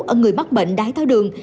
ở người mắc bệnh đái tháo đường